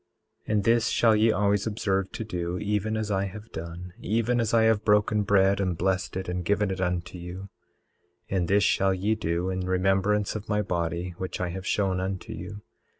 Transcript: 18:6 And this shall ye always observe to do, even as I have done, even as I have broken bread and blessed it and given it unto you. 18:7 And this shall ye do in remembrance of my body, which I have shown unto you.